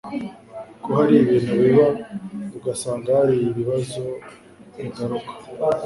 ko ari ibintu biba ugasanga hari ibibazo bigaruka